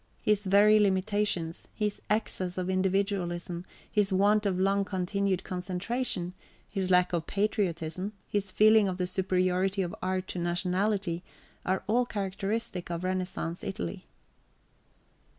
His very limitations, his excess of individualism, his want of long continued concentration, his lack of patriotism, his feeling of the superiority of art to nationality, are all characteristic of Renaissance Italy.